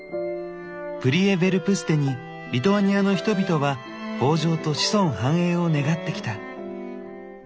プリエヴェルプステにリトアニアの人々は豊穣と子孫繁栄を願ってきた。